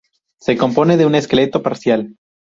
Se compone de un esqueleto parcial.